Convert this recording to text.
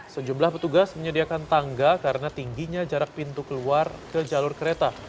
sejumlah petugas menyediakan tangga karena tingginya jarak pintu keluar ke jalur kereta